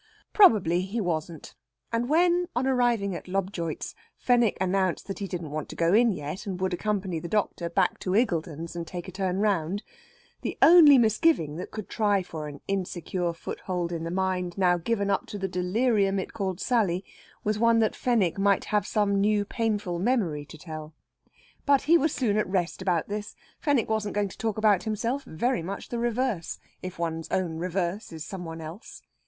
Probably he wasn't; and when, on arriving at Lobjoit's, Fenwick announced that he didn't want to go in yet, and would accompany the doctor back to Iggulden's and take a turn round, the only misgiving that could try for an insecure foothold in the mind now given up to a delirium it called Sally was one that Fenwick might have some new painful memory to tell. But he was soon at rest about this. Fenwick wasn't going to talk about himself. Very much the reverse, if one's own reverse is some one else.